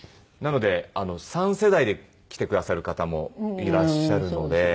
なので３世代で来てくださる方もいらっしゃるので。